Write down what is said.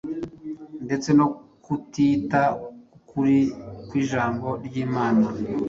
ndetse no kutita ku kuri kw’Ijambo ry’Imana,